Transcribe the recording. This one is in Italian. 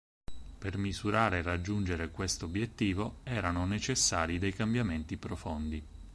Per misurare e raggiungere questo obiettivo erano necessari dei cambiamenti profondi.